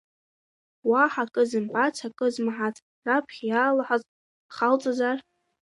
Уаҳа акы зымбац, акы змаҳац, раԥхьа иаалаҳаз халҵазар?